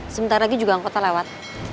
sebentar lagi juga anggota lewat